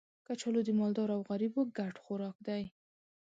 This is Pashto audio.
کچالو د مالدارو او غریبو ګډ خوراک دی